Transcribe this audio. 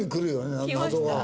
あの謎が。